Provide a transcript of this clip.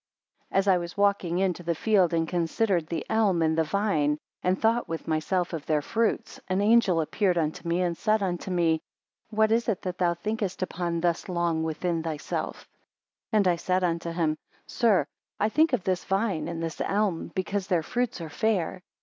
AS I was walking into the field, and considered the elm and the vine, and thought with myself of their fruits, an angel appeared unto me, and said unto me; What is it that thou thinkest upon thus long within thyself? 2 And I said unto him, Sir, I think of this vine and this elm because their fruits are fair.